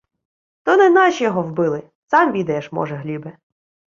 — То не наші його вбили, сам відаєш, може Глібе.